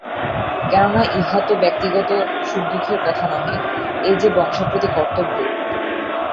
কেননা ইহা তো ব্যক্তিগত সুখদুঃখের কথা নহে, এ যে বংশের প্রতি কর্তব্য।